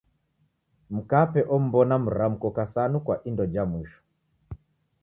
Mkape om'mbona mramko kasanu kwa indo ja mwisho.